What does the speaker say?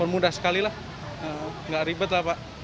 mudah sekali lah nggak ribet lah pak